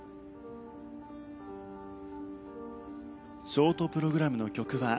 ショートプログラムの曲は「Ｓｔｏｒｍ」。